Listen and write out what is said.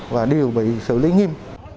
và đều bị xử lý nghiêm